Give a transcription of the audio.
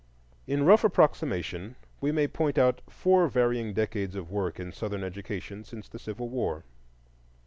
In rough approximation we may point out four varying decades of work in Southern education since the Civil War.